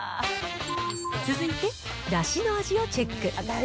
続いて、だしの味をチェック。